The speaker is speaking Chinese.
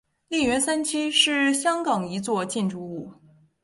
利园三期是香港一座建筑物。